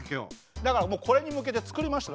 だからこれに向けて作りましたから。